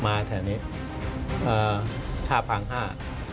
มาแถวนี้ท่าฟังห้า